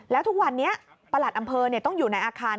แล้วทุกวันนี้ประหลัดอำเภอต้องอยู่ในอาคาร